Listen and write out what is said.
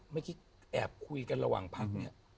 ไม่คิดแอบคุยกันระหว่างพัก